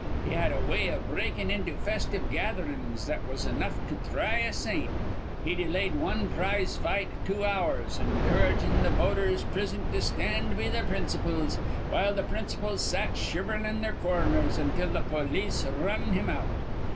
He had a way iv breakin' into festive gatherin's that was enough to thry a saint. He delayed wan prize fight two hours, encouragin' th' voters prisint to stand be their principles, while th' principles sat shiverin' in their cor rners until th' polis r run him out.